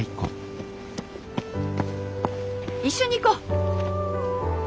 一緒に行こう。